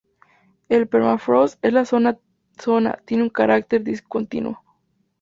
El permafrost en la zona tiene un carácter discontinuo.